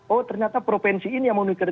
oh ternyata provinsi ini yang mau dikira